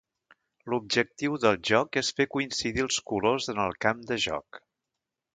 L'objectiu del joc és fer coincidir els colors en el camp de joc.